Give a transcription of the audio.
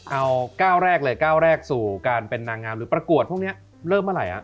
เอาก้าวแรกเลยก้าวแรกสู่การเป็นนางงามหรือประกวดพวกนี้เริ่มเมื่อไหร่